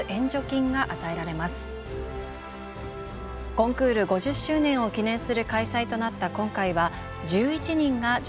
コンクール５０周年を記念する開催となった今回は１１人が受賞しました。